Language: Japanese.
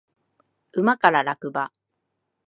馬から落馬